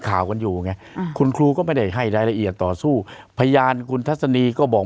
ข่าวกันอยู่ไงคุณครูก็ไม่ได้ให้รายละเอียดต่อสู้พยานคุณทัศนีก็บอก